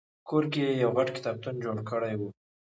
په کور کې یې یو غټ کتابتون جوړ کړی و.